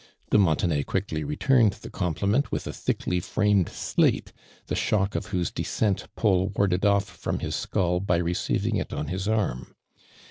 De Montenay quickly returned the compliment with a thickly framed slate, the shock of whose descent Paul warded ofl from his skull by receiving it on his arm.